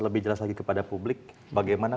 lebih jelas lagi kepada publik bagaimana